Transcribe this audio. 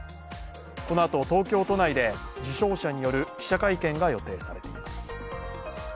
このあと、東京都内で受賞者による記者会見が予定されています。